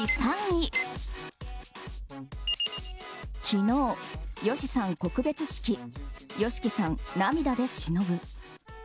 昨日、ＹＯＳＨＩさん告別式ＹＯＳＨＩＫＩさん涙でしのぶ。